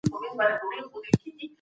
فیصلې باید د شخصي ګټو پر بنسټ نه وي.